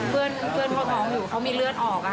เพื่อนเขาท้องอยู่เขามีเลือดออก